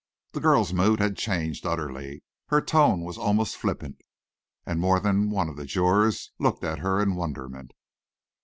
The girl's mood had changed utterly; her tone was almost flippant, and more than one of the jurors looked at her in wonderment.